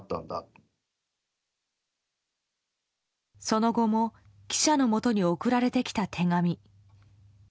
その後も記者のもとに送られてきた手紙。